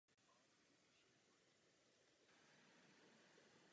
Po znovuzavedení do služby čekalo "Hornet" bojové nasazení ve vietnamské válce.